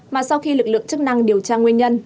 mà sau khi lực lượng chức năng điều tra nguyên nhân